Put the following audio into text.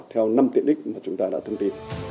theo năm tiện đích mà chúng ta đã thông tin